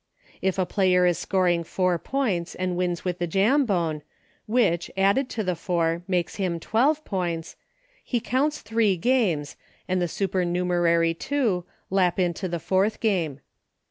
If a player is scoring four points and wins with the Jambone, which, added to the four, makes him twelve points, he counts three games, and the supernumerary two lap into the fourth game.